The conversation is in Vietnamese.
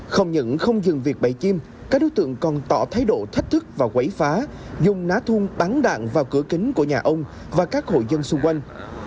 không những không dừng việc bẫy chim các đối tượng còn tỏ thái độ thách thức và quấy phá dùng ná thun bắn đạn vào cửa kính của nhà ông và các hộ dân xung quanh